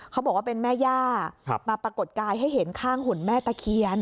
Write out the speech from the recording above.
เขาบอกว่าเป็นแม่ย่ามาปรากฏกายให้เห็นข้างหุ่นแม่ตะเคียน